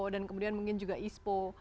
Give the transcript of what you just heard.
dan kemudian mungkin juga ispo